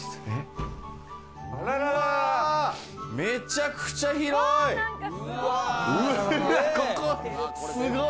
めちゃくちゃ広い。